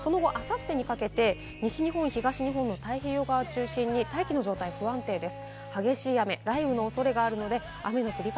その後、あさってにかけて西日本、東日本の太平洋側を中心に大気の状態が不安定です。